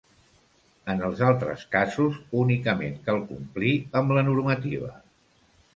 En els altres casos, únicament cal complir amb la normativa.